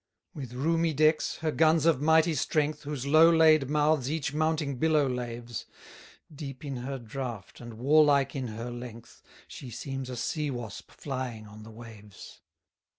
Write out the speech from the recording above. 153 With roomy decks, her guns of mighty strength, Whose low laid mouths each mounting billow laves; Deep in her draught, and warlike in her length, She seems a sea wasp flying on the waves.